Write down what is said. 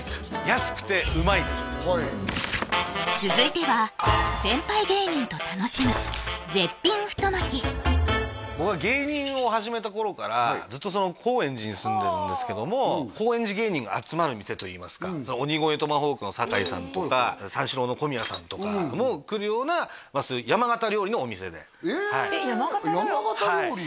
安くてうまいです続いては僕は芸人を始めた頃からずっと高円寺に住んでるんですけども高円寺芸人が集まる店といいますか鬼越トマホークの坂井さんとか三四郎の小宮さんとかも来るような山形料理のお店でえ山形料理？